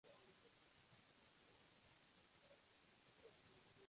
Por consejo de un amigo, decidió sin embargo centrarse en la actuación.